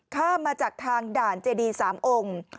ข้ามมาจากทางด่านเจดี๓องค์